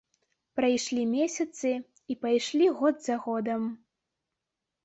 Прайшлі месяцы, і пайшлі год за годам.